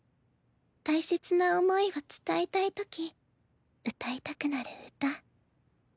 大切な思いを伝えたいとき歌いたくなる歌。